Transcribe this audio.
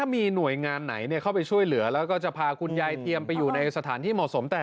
ถ้ามีหน่วยงานไหนเข้าไปช่วยเหลือก็จะพาคุณยายแทนไปอยู่ในสถานที่เหมาะสม